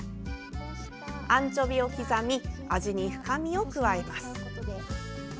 アンチョビを刻み味に深みを加えます。